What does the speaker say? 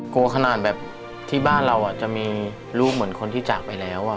ขนาดแบบที่บ้านเราจะมีลูกเหมือนคนที่จากไปแล้ว